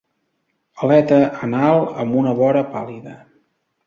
Aleta anal amb una vora pàl·lida.